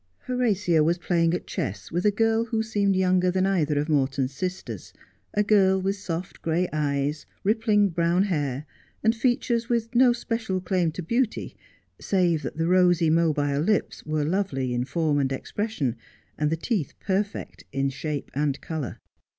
Horatia was playing at chess with a girl who seemed younger than either of Morton's sisters ; a girl with soft gray eyes, rippling brown hair, and features with no special claim to beauty, save that the rosy mobile lips were lovely in form and expression, and the teeth perfect in shape and colour.